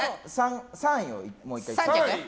３位をもう１回。